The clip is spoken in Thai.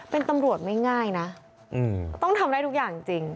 เป็นตำรวจไม่ง่ายนะต้องทำได้ทุกอย่างจริง